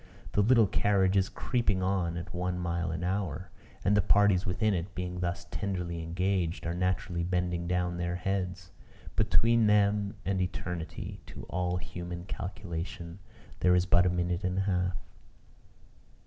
The little carriage is creeping on at one mile an hour; and the parties within it, being thus tenderly engaged, are naturally bending down their heads. Between them and eternity, to all human calculation, there is but a minute and a half.